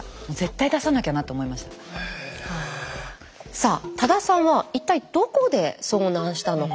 さあ多田さんは一体どこで遭難したのか。